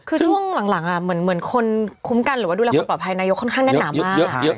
คือช่วงหลังเหมือนคนคุ้มกันหรือว่าดูแลความปลอดภัยนายกค่อนข้างแน่นหนามาก